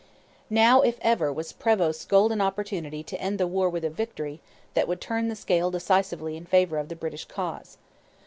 Now, if ever, was Prevost's golden opportunity to end the war with a victory that would turn the scale decisively in favour of the British cause.